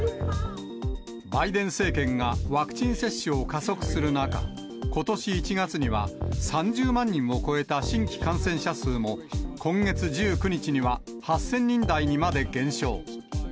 バイデン政権がワクチン接種を加速する中、ことし１月には３０万人を超えた新規感染者数も、今月１９日には、８０００人台にまで減少。